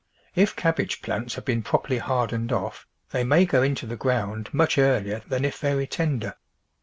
If cabbage plants have been properly hardened off they may go into the ground much earlier than if very tender.